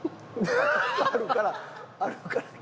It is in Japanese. あるからあるから聞いて。